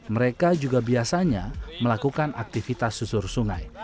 mereka juga biasanya melakukan aktivitas susur sungai